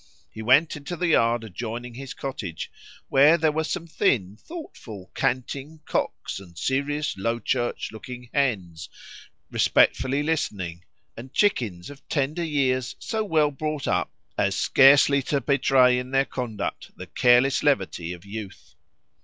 He went into the yard adjoining his cottage, where there were some thin, thoughtful, canting cocks, and serious, low church looking hens, respectfully listening, and chickens of tender years so well brought up, as scarcely to betray in their conduct the careless levity of youth.